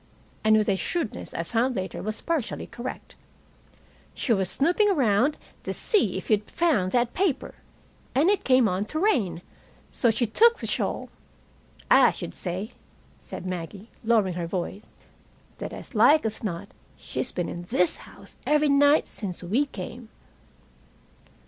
And, with a shrewdness I found later was partially correct: "She was snooping around to see if you'd found that paper, and it came on to rain; so she took the shawl. I should say," said Maggie, lowering her voice, "that as like as not she's been in this house every night since we came."